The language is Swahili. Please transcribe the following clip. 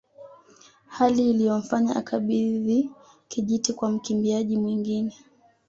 Hali iliyomfanya akabidhi kijiti kwa mkimbiaji mwingine